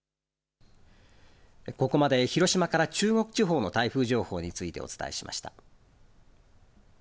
ここまで広島から中国地方の台風情報についてお伝えしました。